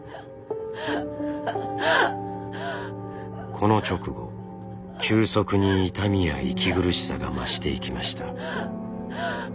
この直後急速に痛みや息苦しさが増していきました。